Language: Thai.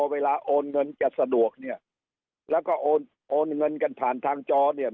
โอนเงินจะสะดวกเนี่ยแล้วก็โอนโอนเงินกันผ่านทางจอเนี่ย